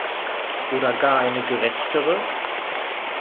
Oder gar eine gerechtere?